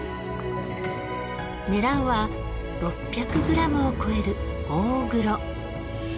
狙うは６００グラムを超える大黒。